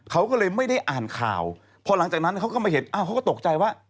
เขาก็เลยไม่ได้อ่านข่าวพอหลังจากนั้นเขาก็มาเห็นอ้าวเขาก็ตกใจว่า